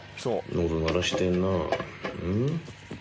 喉鳴らしてんなぁ。